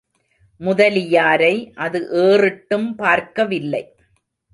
முதலியாரை அது ஏறிட்டும் பார்க்கவில்லை.